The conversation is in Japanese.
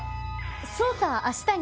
捜査明日に。